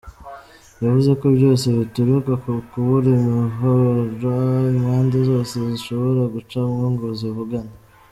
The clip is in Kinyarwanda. Yavuze ko vyose bituruka ku kubura imihora impande zose zoshobora gucamwo ngo zivugane.